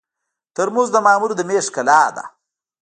ترموز د مامور د مېز ښکلا ده.